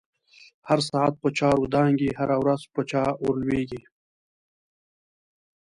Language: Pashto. هر ساعت په چاور دانگی، هره ورځ په چا ورلویږی